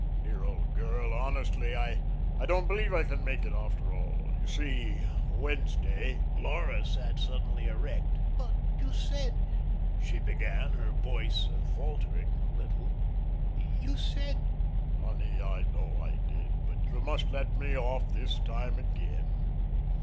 Dear old girl, honestly, I I don't believe I can make it after all. You see, Wednesday " Laura sat suddenly erect. "But you said," she began, her voice faltering a little, "you said " "Honey, I know I did, but you must let me off this time again."